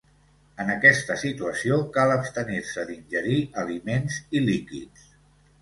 En aquesta situació cal abstenir-se d'ingerir aliments i líquids.